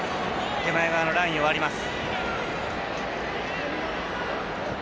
手前側のラインを割ります。